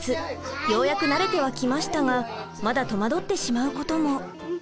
ようやく慣れてはきましたがまだ戸惑ってしまうことも。